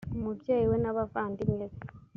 umubyeyi we n’abavandimwe be